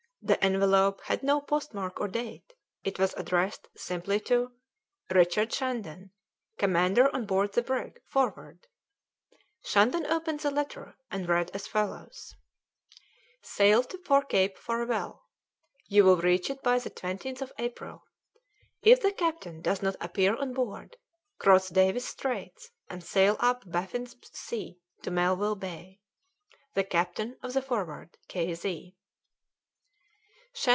The envelope had no postmark or date; it was addressed simply to: "RICHARD SHANDON, "Commander on board the brig "Forward." Shandon opened the letter and read as follows: "Sail for Cape Farewell. You will reach it by the 20th of April. If the captain does not appear on board, cross Davis's Straits, and sail up Baffin's Sea to Melville Bay. "THE CAPTAIN OF THE 'FORWARD,' "K. Z."